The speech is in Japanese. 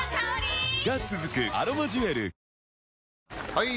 ・はい！